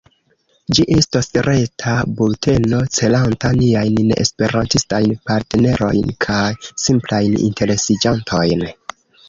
Ĝi estos reta bulteno celanta niajn neesperantistajn partnerojn kaj simplajn interesiĝantojn.